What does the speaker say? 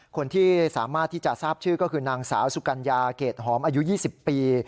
คนที่สามารถที่จะทราบชื่อก็คือนางสาวสุกัญญาเกรดหอมอายุ๒๐ปี